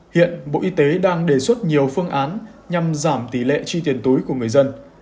hiện bộ y tế đang đề xuất nhiều phương án nhằm giảm tỷ lệ chi tiền túi của người dân